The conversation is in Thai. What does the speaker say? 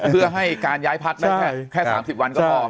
เพื่อให้การย้ายพักได้แค่๓๐วันก็พอ